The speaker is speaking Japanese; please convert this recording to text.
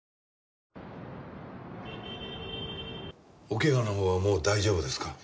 おけがのほうはもう大丈夫ですか？